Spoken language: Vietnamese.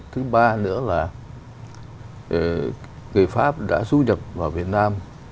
thứ ba nữa là người pháp đã du nhập vào việt nam